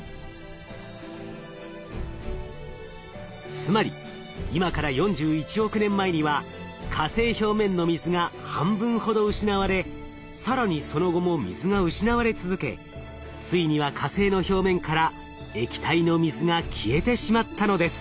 つまり今から４１億年前には火星表面の水が半分ほど失われ更にその後も水が失われ続けついには火星の表面から液体の水が消えてしまったのです。